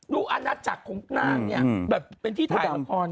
ตรวงอันดัตรจากของนางแบบเป็นที่ถ่ายละคร